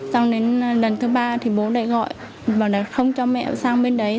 xong đến lần thứ ba thì bố lại gọi bảo là không cho mẹ sang bên đấy